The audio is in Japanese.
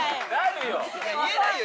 言えないよ